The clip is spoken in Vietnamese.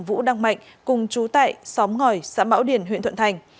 vũ đăng mạnh cùng chú tại xóm ngòi xã mão điền huyện thuận thành